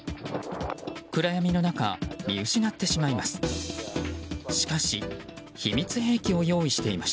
暗闇の中、見失ってしまいます。